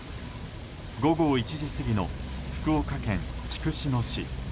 午後１時過ぎの福岡県筑紫野市。